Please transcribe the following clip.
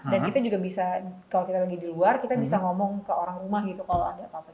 dan kita juga bisa kalau kita lagi di luar kita bisa ngomong ke orang rumah gitu kalau ada apa apa